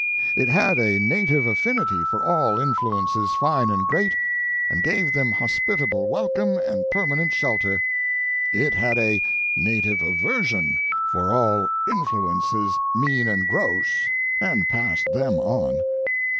It had a native affinity for all influences fine and great, and gave them hospitable welcome and permanent shelter; It had a native aversion for all influences mean and gross, and passed them on.